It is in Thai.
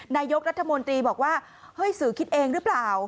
นายกรัฐมนตรีบอกว่าเฮ้ยสื่อคิดเองหรือเปล่า